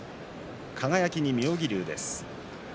輝に妙義龍です。